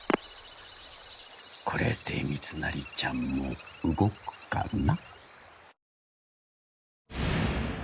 これで三成ちゃんも動くかな。